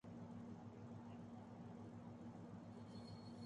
یہ سڑک کیسی دکھائی دیتی تھی۔